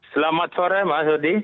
selamat sore mas udi